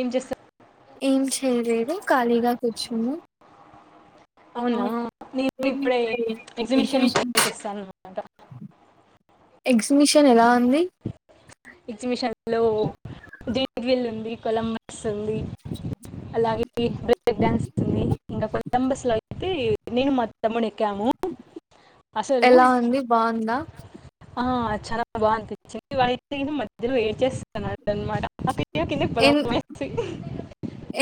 ఏం చేస ఏం చేయలేదు ఖాళీగా కూర్చున్నామ్ అవునా నేను ఇప్పుడే ఎగ్జిబిషన్ పోసిస్తాను అనమాట ఎక్ పమిషన్ ఎలా ఉంది దవిల్ ఉంది కొలంబస్ అలాగే బేేక్ డన్స్ంది ఇంకా కొత్తం లో అతే నేను మత్తము ము అసలు ఎలా ఉంది బాగుందా బా అనిపించింది వాళ్ళైతే మధ్యలో ఏం చేస్తున్నాడు అనమాట అక్కడ కింద పొలం ఎన్ వేసి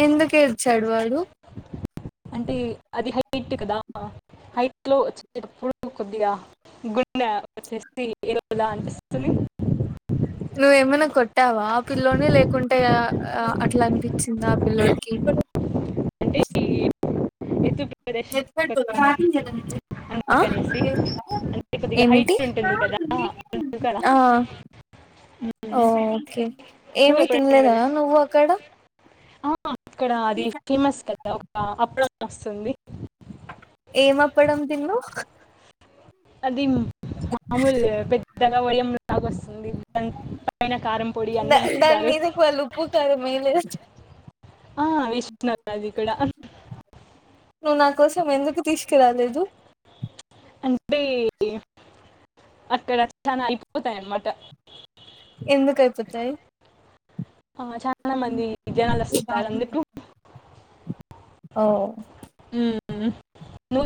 ఎందుకేడ్చాడు వాడు అంటే అది హైట్ కదా హైట్ లో వచ్చేటప్పుడు కొద్దిగా గుండె వచ్చేసి ఎరువులా అనిపి చలి నువ్వేమైనా కొట్టావా పిల్లోనే లేకుంటేయా ఆ అట్లా అనిపించింది ఆ పిల్లలకి ఆ ఎప్పు అందుకనేసి అంటే కొద్దిగా ఏమిటి హైట్ ఉంటుంది కదా అందుకలా ఓకే నువ్వు ఏమి ఎప్పుడైనా తినలేదనా నువ్వు అక్కడ ఇక్కడ అద ఫీమస్ కదా ఒక అప్డ వస్తుంది ఏమప్పడం తిన్న అదిమ మామూలు పెద్దగా ఉడియంలాగ వస్తుంది దాని పైన కారం పొడి అన్ని దాని ఇస్తారు మీదకి వాళ్ళు ఉప్పు కారం వేయలేదా ఆ విష్ణది కూడా నువ్వు నా కోసం ఎందుకు తీసుకురాలేదు అంటే అక్కడ చనా అయిపోతాయి అన్నమాట ఎందు కైపోతాయి ఆ చాలా మంది జనాలు వస్తారు అందుకు ఓ ఉ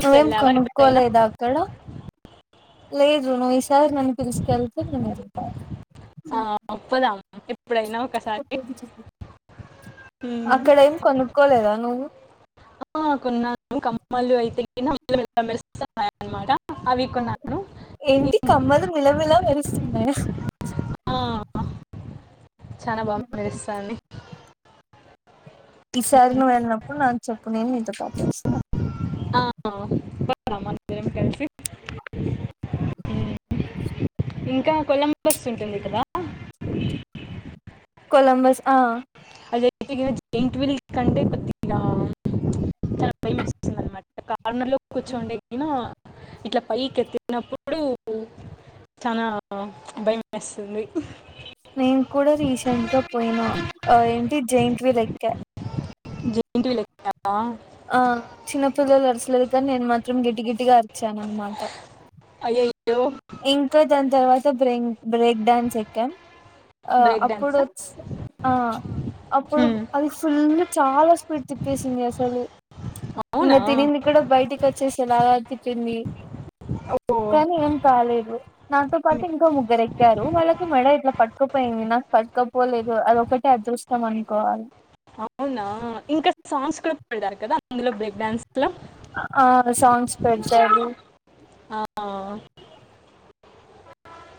నువ్వేం కనుకోలేద అక్కడ లేదురు నువ ఇ సార్ నం పిల్సుకెళ్తే న ఇతా ఆ అప్పదా అక ఎప్పుడైనా ఒకసారి అక్కడ ఏం కొనుక్కోలేదా నువ్వు కొన్నాను కమ్మలు అయితే ఇ మామాగా ఏంటి కమ్మలు మిలమిల మెరూస్తున్నాయా ఆ చనాా బాగా మెరుస్తున్నాయ్ ఈసారిని వెళ్ళినప్పుడు నాకు చెప్పు నేను నీతో పాటు వస్తా ఆ ఎల్దం ఇద్దరం కలిసి మ్మ్. ఇంకా కొలం బస్ ఉంటుంది కదా కొలంబస్ ఆ జ ఇంట్విల్ కంటే పతరా కా కార్నర్ లో కూర్చుండెక్కినా ఇట్లా పైకి ఎత్తినప్పుడు చాలా భయం వేస్తుంది నేను కూడా రీసెంట్గా పోయినా ఆ ఏంటి జాయింట్విల్ క్క జాయింట్విల్ ఎక్కినవ ఆ చిన్న పిల్లలు అరచలేదు కానీ నేను మాత్రం గిట్టి గట్టిగా అరిచాను అనమాట అయ్యాయ్ ఇంకా దాని తర్వాత బ్రెం బ్రేక్ డాన్స్ ఎక్కం ఆ బ్రేక్ అప్పుడు డాన్సా వచ్చ ఆ అప్పుడు అది ఫుల్ చాలా స్పీడ్ తిప్పేసింది అస్సలు ఇగ అవునా తినింది కూడా బయటికి వచ్చే సలా తిప్పింది ఓ కానీ ఏం కాలేదు నాతో పాటు ఇంకా ముగ్గుర ఎక్కారు వాళ్ళకి మేడ ఇట్లా పట్టుకపోయింది నాకు పట్టుకపోలేదు అదొ ఒకటిే అదృష్టం అనుకోవాలి అవునా ఇంకా సాంగ్స్ కూడా పెడతారు కదా అందులో బ్రేక్ డాన్స్ ఆ సాంగ్స్ పెడతారు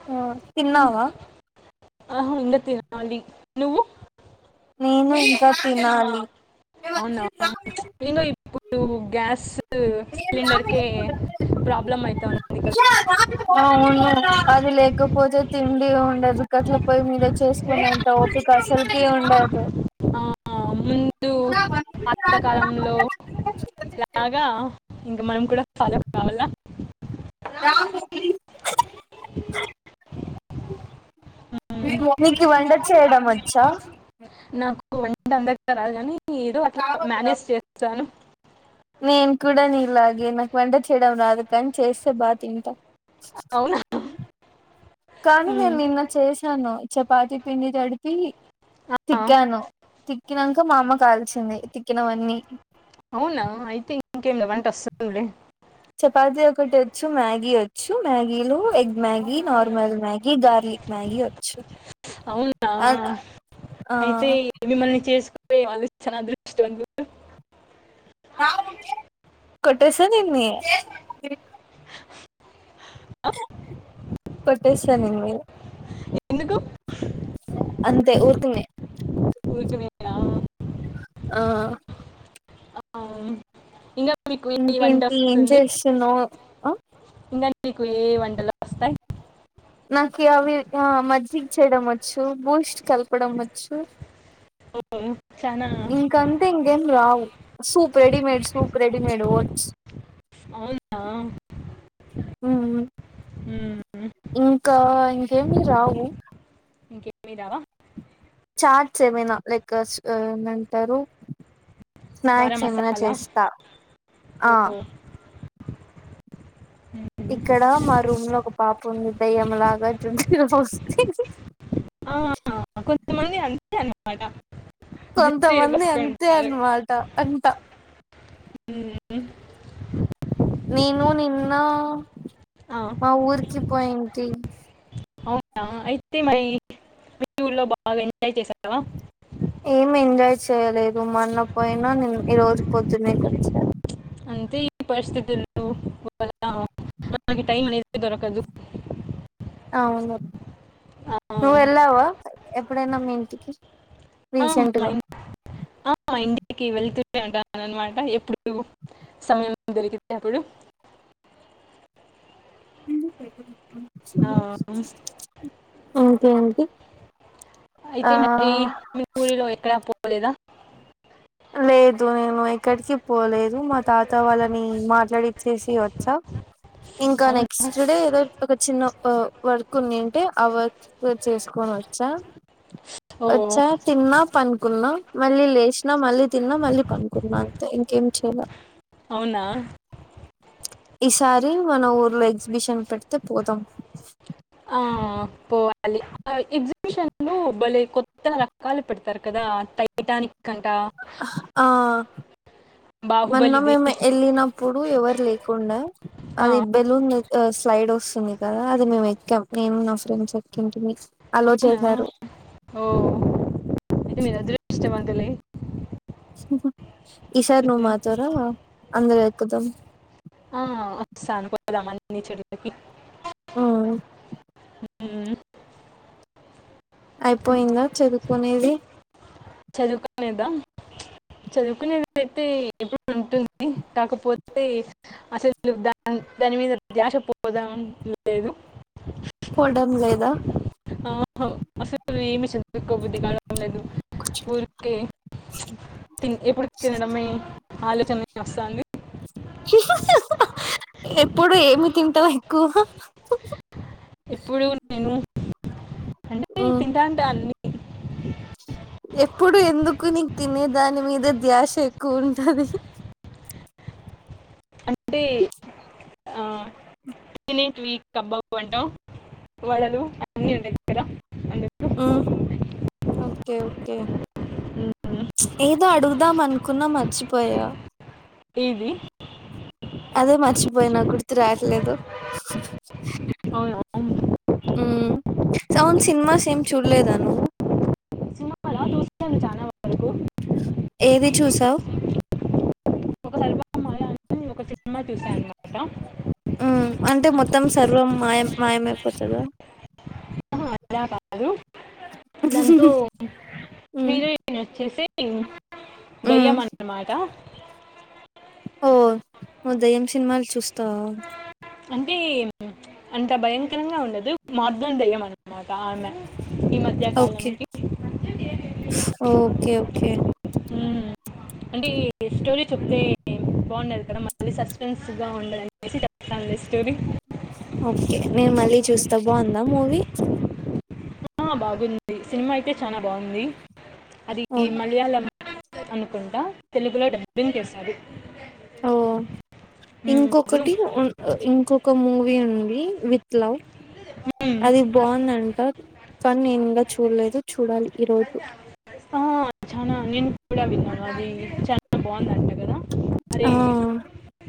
హ తిన్నావా ఆహ ఇక తినాలి నువ్వు నేను ఇంకా తినాలి అవునా నేను ఇప్పుడు గ్యాస్ సిలిండర్కే ప్రాబ్లం అవుతుంది కదా అవును అది లేకపోతే తిండి ఉండదు కదా పోయి మీద చేసుకునే అంత ఓపికా అసలుకి ఉండ దు ఆ, ముందు పాతకాలంలో ఇక మనం కూడా ఫాలో కావల్ల రాము ప్లీజ్ మీ ఉమ్, మమ్మీ వంట చేయడం వచ్ చ నాకు వంట అంతగా రాదు కానీ ఏదో అట్లట్ల మేనేజ్ చేస్తాను నేను కూడా నీలాగే నాకు వంట చేయడం రాదు కానీ చేస్తే బా తింటా అవునా కానీ నేను ఉమ్, నిన్న చేశాను చపాతి పిండి తడిపి ఆ, తిక్కాను తిక్కినాంక మా అమ్మ కాల్చింది తిక్కినవన్నీ అవునా అయితే ఇంకేమి వంట వస్తుందిలే చపాతి ఒకటి వచ్చు మ్యాగీ వచ్చు మ్యాగీలో egg Maggi normal Maggi garlic Maggi వచ్చు అవునా ఆ ఆ అయితే మిమ్మల్ని చేసు నే వాళ్ళు చాలా అదృష్టవంతుడు కొట్టేస్తా నిన్ని ప టేస్తా నిన్ని ఎందుకు అంతే ఊర్కునే ఉరుకునేనా ఆ ఆ ఇంగా ఇంకేంటి ఏం చేస్తున్నావు ఆ ఇంకా మీకు ఏ ఏ వంటలు వస్తాయి నాకు అవి ఆ మజ్జిగ చేయడం వచ్చు బూస్ట్ కలపడం వచ్చు ఉహు ఇంకంతే ఇంగేం రావు సూప్ రెడిమేడ్ సూప్ రెడిమేడ్ ఓ అవునా ఉ ఇంకా ఇంకేమి రావు మీరా చార్ట్స్ ఏమైనా లైక్ ఏమంటారు బారా స్నాక్స్ ఏమైనా మసాలా చేస్తా ఆ ఓ మ్మ్. ఇక్కడ మా రూమ్ లో ఒక పాప ఉంది దయ్యంలాగా జూట్ జీరో ఫాల్స్.. కొంత మంది అంతే అన్నమాట కొంతమంది అంతే అన్నమాట అంట హ్మ్ నేను నిన్న ఆ, మా ఊరికి పోయింటి అవునా అయితే మరి బెంగళూరు లో బాగా ఎంజాయ్ చేసావా ఏం ఎంజాయ్ చేయలేదు మన్న పోయినా ని ఈ రోజు పొద్దునే చ అంతే ఈ పరిస్థితులు పోవ అవును ఆ, నువ్వు వెళ్ళావా ఎప్పుడైనా మీ ఇంటికి ఆ, మా రీసెంట్గా ఇన్- ఆ, మా ఇంటికి వెళ్తు నే ఉంటా అనమాట ఎప్పుడు సమయం దొరికితే అప్పుడు ఆ ఏంటి అయితే మరి.. మీ ఊరిలో ఎక్కడ పో పోలేదా లేదు నేను ఎక్కడికి పోలేదు మా తాత వాళ్ళని మాట్లాడిచ్చేసి వచ్చా ఇంకా అవును నెక్స్ట్ డే ఏదో ఒక చిన్న వర్క్ ఉనింటే అ వర్క్ చేసుకొని వచ్చా ఓ వచ్చా తిన్నా పనుకున్నా మళ్లీ లేష్ నేనా మళ్ళీ తిన్నా మళ్ళీ పనుకున్న అంతే ఇంకేం చేయలే అవునా ఈసారి మన ఊర్లో ఎగ్జిబిషన్ పెడితే పోదాం ఆ... పోవాలి కొబ్బలి కొత్త రకాలు పెడతారు కదా టైటానిక్ అంట ఆ మొన్న బాహుబలిది మేము ఎళ్ళినప్పుడు ఎవరు లేకుండే ఆ, అది బెలూన్ స్లైడ్ వస్తుంది కదా అది మేము ఎక్కాం నేను నా ఫ్రెండ్స్ ఎక్కింటిమీ అవునా ఓ... అయితే మీరు అదృష్టవంత దులే ఓహ్ ఈసార్ నువ్ మాతొర అందరు ఎక్కుదాం హ ఆస్తా పోదాం అన్ని చుడానికి ఉమ్ ఉ అయిపోయిందా చదువుకునేది చదువుకునేదా చదువుకునేదియితే ఎప్పుడు ఉంటుంది కాకపోతే అసలు దాని దాని మీద ధ్యాస పోద లేదు పోడం లేదా ఆ అసలు ఏమి చదువుకో బుద్ధి కావడం లేదు ఊరికే ఎప్పుడు తినడమే ఆలోచన వస్తది ఎప్పుడు ఏమి తింటావు ఎక్కువ ఇప్పుడు నేను అంటే నేను ఉమ్ తింటాంట అన్ని అ ఎప్పుడు ఎందుకు నీకు తినే దాని మీద ధ్యాస ఎక్కువ ఉంటది అంటే ఆ తట్ కబ్బాబ అంటాం వడలు అన్నీ ఉన్నాయి ఇక్కడ హ ఓకే ఓకే హ్మ్. ఏదో అడుగు ద్దాం అనుకున్నా మర్చిపోయా ఏందీ అదే మర్చిపోయినా గుర్తు రావట్లేదు అవును హ సౌండ్ సినిమాస్ ఏం చూడలేదు దా నువ్వు సినిమాల చుస్థాను చానా వరకు ఏది చూసావు ఒక సర్వమాయ ఒక సినిమా మ్మ చూసా అన్న మాటా ఉమ్ అంటే మొత్తం సర్వం మాయం మాయం అయిపోతద ఓహ్ అల కాదు దాంతో ఉమ్ హీరోయినీ వచ్చేసి ఇ ఉమ్ దయ్యం అన్న మాట ఓ నువ్వు దయ్యం సినిమాలు చూస్తావా అంటే అంత భయంకరంగా ఉండదు మార్గం దయ్యం అన్నమాట టామె ఈ ఓకే మధ్యకాలంకి కే అంటే ఈ స్టోరీ చెప్తే బాగుండదు కదా మళ్ళీ సస్పెన్స్ గా ఉండదాని సిటప్ చెప్పుతాన్లే స్టోరీ ఓకే నేను మళ్ళీ చూస్తా బాగుందా మూవీ ఆ బాగుంది సినిమా అయితే చాలా బాగుంది అది ఈ ఓక్ మలయాళం అనుకుంటా తెలుగులో డబ్బింగ్ చేశారు ఓ మ్మ్. ను- ఇంకొకటి ఇంకొక మూవీ ఉంది. ఇ విత్ హలో మ్మ్. అది బావుందంట కానీ నేను ఇంకా చూడలేదు చూడాలి. ఈరోజు చానా నేను కూడా విన్నాను. అది చానా బాగుంది అంట కదా. అరే ఆ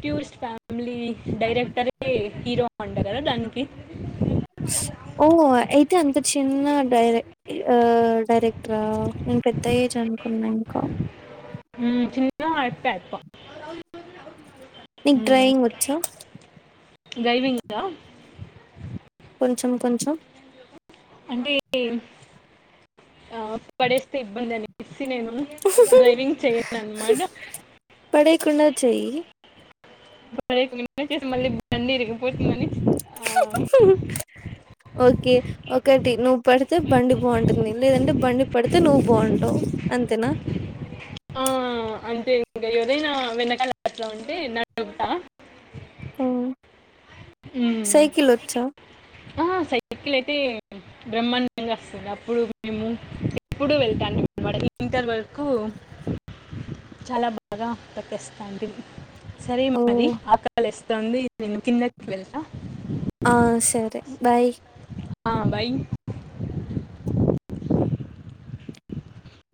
టూస్ట్ ఫ్యా ఫ్యామిలీ డైరెక్టరే హీరో ఉంట కదా దానికి ఓ అయితే అంత చిన్న డైరె డైరెక్టరా ఆ నేను పెద్ద ఏజ్ అనుకున్నా ఇంకా ఉమ్ చిన్న అయిప్ప అప్ప నీకు డ్రాయింగ్ వచ్చా డ్రైవింగ్గా కొంచెం కొంచెం అంటే ఏ ఆ పడేస్తే ఇబ్బందని అందుకే నేను డ్రైవింగ్ చెయను అన్మాట పడేయకుండా చెయ్యి బైక్ ని రిపేర్ చేసి మళ్ళీ బండి ఎరిగిపోతుందని [unintelligible] ఓకే ఒకటి నువ్వు పడితే బండి బాగుంటుంది. లేదంటే బండి పడితే నువ్వు బాగుంటావు అంతేనా హ అంటే ఇంకా ఎవరైనా వెనకాల అట్ల అంటే నడుపుతా. ఉమ్ ఉమ్, సైకిల్ వచ్చ ఆ సైకిల్ అయితే బ్రహ్మాండంగా వస్తుంది. అప్పుడు మేము ఎప్పుడు వెళ్తాంటిమి అన్నమాట. ఇంటర్ వరకు చాలా బాగా తట్టేస్తానంటిమి. సరే మరి ఓహ్! ఆకలేస్తుంది నేను కిందకి వెళ్తా. ఆ! సరే. బాయ్ హా భయి